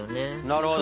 なるほど。